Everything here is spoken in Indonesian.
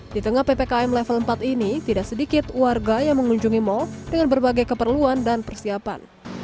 di tengah ppkm level empat ini tidak sedikit warga yang mengunjungi mal dengan berbagai keperluan dan persiapan